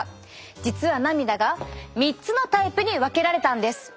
実は涙が３つのタイプに分けられたんです。